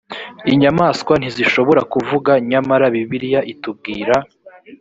inyamaswa ntizishobora kuvuga nyamara bibiliya itubwira